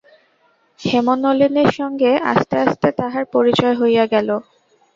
হেমনলিনীর সঙ্গে আস্তে আস্তে তাহার পরিচয় হইয়া গেল।